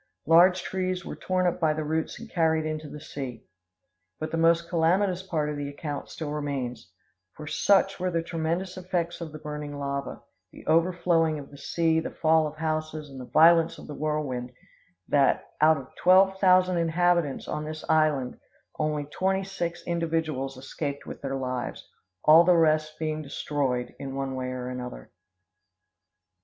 Large trees were torn up by the roots and carried into the sea. But the most calamitous part of the account still remains; for such were the tremendous effects of the burning lava the overflowing of the sea, the fall of houses, and the violence of the whirlwind, that, out of twelve thousand inhabitants on this island, only twenty six individuals escaped with their lives, all the rest being destroyed in one way or another.